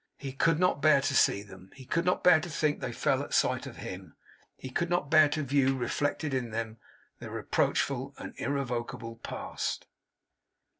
He could not bear to see them. He could not bear to think they fell at sight of him. He could not bear to view reflected in them, the reproachful and irrevocable Past.